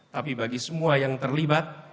tapi bagi semua yang terlibat